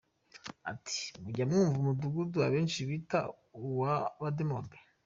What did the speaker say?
Ati “Mujya mwumva umudugudu abenshi bita uw’ abademobe.